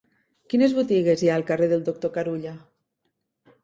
Quines botigues hi ha al carrer del Doctor Carulla?